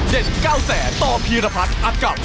เด่นเก้าแสต้อพีรพันธ์อักกับ